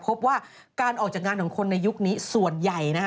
พบว่าการออกจากงานของคนในยุคนี้ส่วนใหญ่นะฮะ